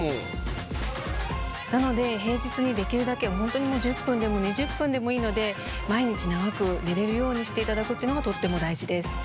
なので平日にできるだけ本当にもう１０分でも２０分でもいいので毎日長く寝れるようにしていただくっていうのがとっても大事です。